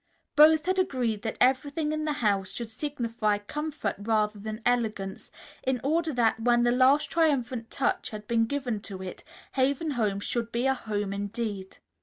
Both had agreed that everything in the house should signify comfort rather than elegance, in order that, when the last triumphant touch had been given to it, Haven Home should be a home indeed.